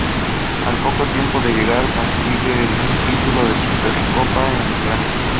Al poco tiempo de llegar consigue un título, la Supercopa de Ucrania.